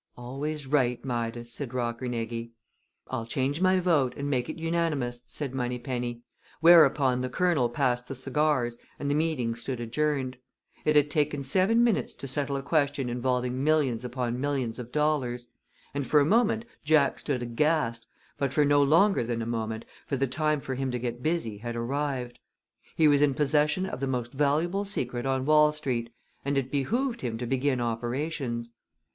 "Always right, Midas," said Rockernegie. "I'll change my vote and make it unanimous," said Moneypenny, whereupon the Colonel passed the cigars and the meeting stood adjourned. It had taken seven minutes to settle a question involving millions upon millions of dollars, and for a moment Jack stood aghast, but for no longer than a moment, for the time for him to get busy had arrived. He was in possession of the most valuable secret on Wall Street, and it behooved him to begin operations.